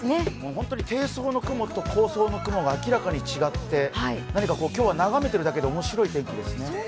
本当に低層の雲と高層の雲が明らかに違って今日は眺めているだけで面白い天気ですね。